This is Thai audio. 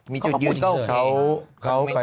มีจุดยืนก็เขาไป